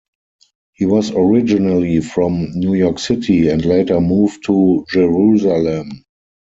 He was originally from New York City, and later moved to Jerusalem.